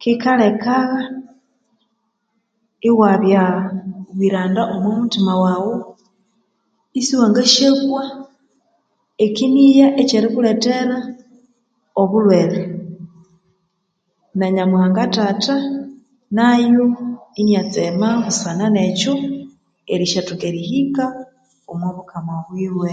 Kikalekagha iwabya bwiranda omwa muthima waghu isiwangasyakwa ekinigha ekye rikulethera obulhwere na Nyamuhanga thatha nayo iniatsema busana nekyo erisyathoka eri hika omo bukama bwiwe